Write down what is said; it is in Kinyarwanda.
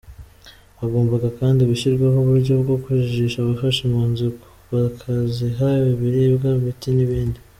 Hagombaga kandi gushyirwaho uburyo bwo kujijisha bafasha impunzi bakaziha ibiribwa imiti, n’ibindi.